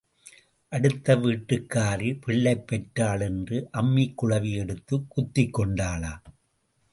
அடுத்த வீட்டுக்காரி பிள்ளை பெற்றாள் என்று அம்மிக்குழவி எடுத்துக் குத்திக் கொண்டாளாம்.